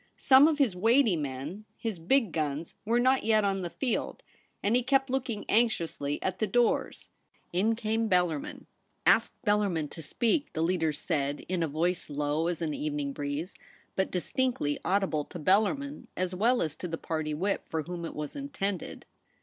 Some of his weighty men, his big guns, were not yet on the field, and he kept looking anxiously at the doors. In came Bellarmin. 'Ask Bellarmin to speak,' the leader said, in a voice low as an evening breeze, but distinctly audible to Bellarmin as well as to the party whip, for whom it was intended.